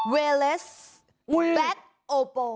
เวเลสแบทโอโป